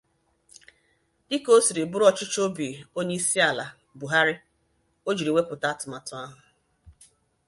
dịka o siri bụrụ ọchịchọ obi Onyeisiala Buhari o jiri wepụta atụmatụ ahụ.